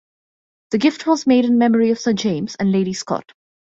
The gift was made in memory of Sir James and Lady Scott.